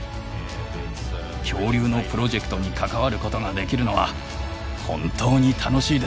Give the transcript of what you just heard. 恐竜のプロジェクトに関わることができるのは本当に楽しいです。